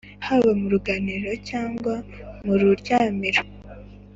Haba muruganiriro cyangwa mu ruryamiro